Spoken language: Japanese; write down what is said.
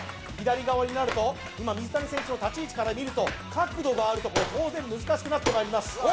左側になると今水谷選手の立ち位置から見ると角度がある所当然難しくなってまいります